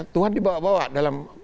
tuhan dibawa bawa dalam